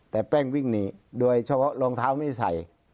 แต่แป้งวิ่งหนีด้วยช่วงลองเท้าไม่ใส่